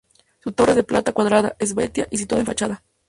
Su torre es de planta cuadrada, esbelta y situada en fachada.